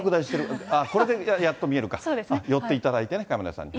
すっげえ拡大してる、これでやっと見えるか、寄っていただいてね、カメラさんね。